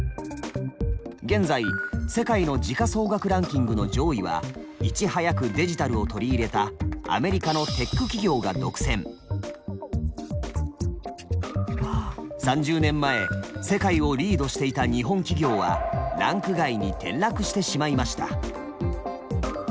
現在世界の時価総額ランキングの上位はいち早くデジタルを取り入れたアメリカの３０年前世界をリードしていた日本企業はランク外に転落してしまいました。